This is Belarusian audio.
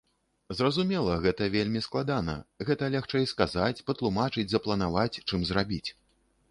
Зразумела, гэта вельмі складана, гэта лягчэй сказаць, патлумачыць, запланаваць, чым зрабіць.